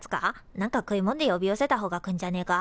なんか食いもんで呼び寄せたほうが来んじゃねえか？